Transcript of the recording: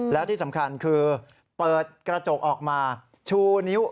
แล้วที่สำคัญคือเปิดกระจกออกมาชูนิ้ว